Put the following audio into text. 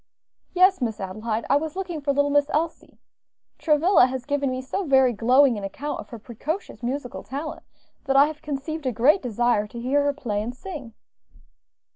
"Yes, Miss Adelaide; I was looking for little Miss Elsie. Travilla has given me so very glowing an account of her precocious musical talent, that I have conceived a great desire to hear her play and sing."